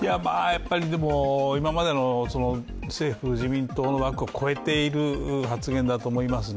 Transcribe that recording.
やっぱりでも、今までの政府・自民党の枠を超えている発言だと思いますね。